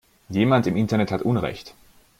Jemand im Internet hat unrecht.